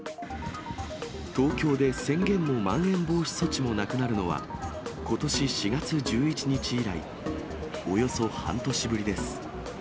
東京で宣言もまん延防止措置もなくなるのは、ことし４月１１日以来、およそ半年ぶりです。